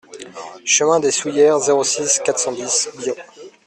Chemin des Soullieres, zéro six, quatre cent dix Biot